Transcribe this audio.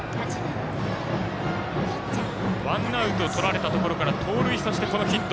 ワンアウトとられたところから盗塁、そして、このヒット。